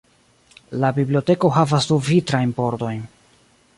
La biblioteko havas du vitrajn pordojn.